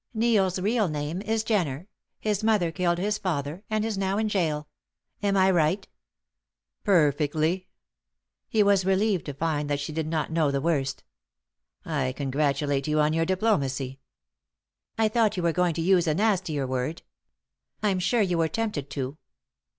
Neil's real name is Jenner; his mother killed his father, and is now in gaol. Am I right?" "Perfectly." He was relieved to find that she did not know the worst. "I congratulate you on your diplomacy." "I thought you were going to use a nastier word. I am sure you were tempted to."